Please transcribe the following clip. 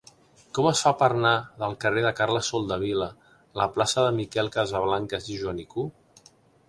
Com es fa per anar del carrer de Carles Soldevila a la plaça de Miquel Casablancas i Joanico?